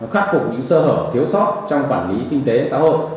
khắc phục những sơ hở thiếu sót trong quản lý kinh tế xã hội